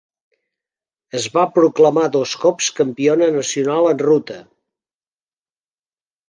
Es va proclamar dos cops campiona nacional en ruta.